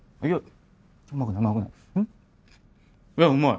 いや。